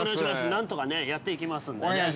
◆何とかやっていきますのでね。